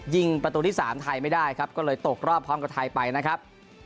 ยิงประตูที่๓ไทยไม่ได้ครับก็เลยตกรอบพร้อมกับไทยไปนะครับ